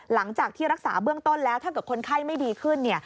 หลังจากที่รักษาเบื้องต้นแล้วถ้าเกิดคนไข้ไม่ดีขึ้นเนี่ย